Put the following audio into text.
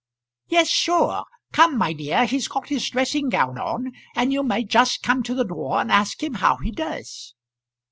"Yes, sure. Come, my dear, he's got his dressing gown on, and you may just come to the door and ask him how he does."